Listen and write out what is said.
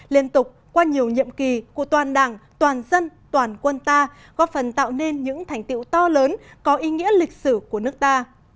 liên tục qua nhiều nhiệm kỳ của toàn đảng toàn dân toàn quân ta góp phần tạo nên những thành tiệu to lớn có ý nghĩa lịch sử của nước ta